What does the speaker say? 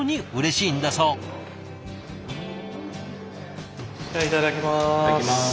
いただきます。